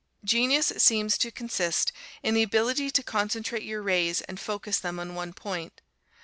Genius seems to consist in the ability to concentrate your rays and focus them on one point.